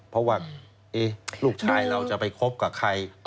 เพราะว่าลูกชายเราจะไปคบกับใคร